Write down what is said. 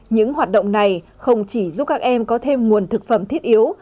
những hoạt động này không chỉ giúp các em có thêm nguồn thực phẩm thiết yếu